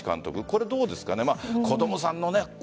これ、どうですかね。